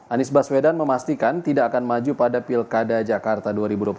anies baswedan memastikan tidak akan maju pada pilkada jakarta dua ribu dua puluh